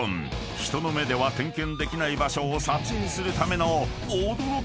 ［人の目では点検できない場所を撮影するための驚きの機能！］